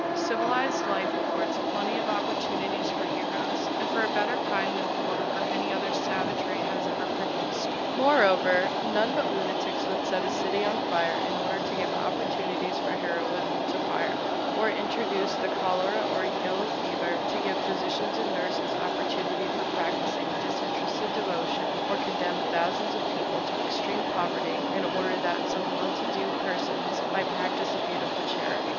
Civilized life affords plenty of opportunities for heroes, and for a better kind than war or any other savagery has ever produced. Moreover, none but lunatics would set a city on fire in order to give opportunities for heroism to firemen, or introduce the cholera or yellow fever to give physicians and nurses opportunity for practicing disinterested devotion, or condemn thousands of people to extreme poverty in order that some well to do persons might practice a beautiful charity.